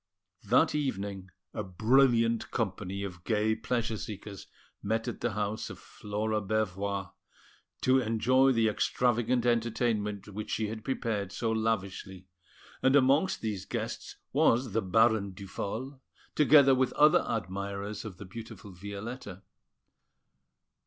That evening a brilliant company of gay pleasure seekers met at the house of Flora Bervoix, to enjoy the extravagant entertainment which she had prepared so lavishly; and amongst these guests was the Baron Duphol, together with other admirers of the beautiful Violetta.